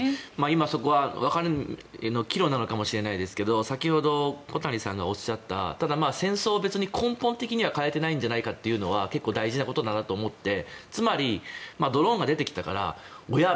今、そこは分かれ目岐路なのかもしれませんが先ほど、小谷さんがおっしゃった戦争は別に根本的には変えてないんじゃないかというのは結構大事なことじゃないかなと思ってつまり、ドローンが出てきたからおや？